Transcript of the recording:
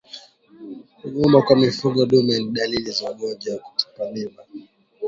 Ugumba kwa mifugo dume ni dalili za ugonjwa wa kutupa mimba